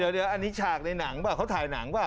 เดี๋ยวอันนี้ฉากในหนังเปล่าเขาถ่ายหนังเปล่า